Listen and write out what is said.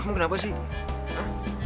kamu kenapa sih